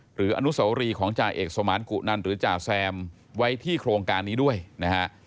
อนุโสรีของจ่าเอกสมานกุนันหรือจ่าแซมไว้ที่โครงการนี้ด้วยนะฮะ